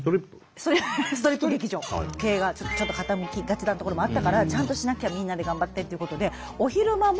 経営がちょっと傾きがちなところもあったからちゃんとしなきゃみんなで頑張ってっていうことで。